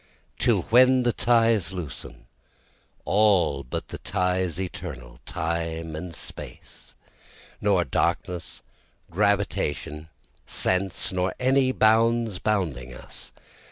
Till when the ties loosen, All but the ties eternal, Time and Space, Nor darkness, gravitation, sense, nor any bounds bounding us.